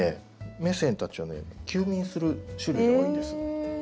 メセンたちはね休眠する種類が多いんです。